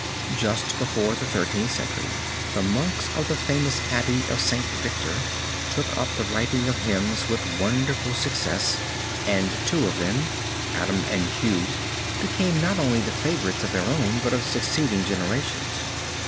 Just before the Thirteenth Century the monks of the famous Abbey of St. Victor took up the writing of hymns with wonderful success and two of them, Adam and Hugh, became not only the favorites of their own but of succeeding generations.